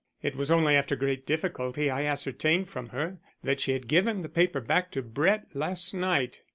It was only after great difficulty I ascertained from her that she had given the paper back to Brett last night.